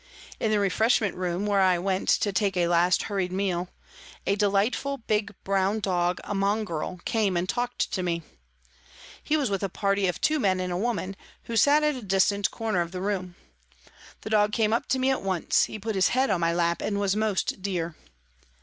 In the refreshment room, where I went to take a last hurried meal, a delightful big, brown dog, a mongrel, came and talked to me. He was with a party of two men and a woman, who sat at a distant p. B 242 PRISONS AND PRISONERS corner of the room. The dog came up to me at once ; he put his head on my lap and was most dear.